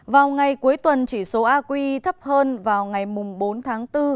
vào ngày cuối tuần chỉ số aqi thấp hơn vào ngày bốn tháng bốn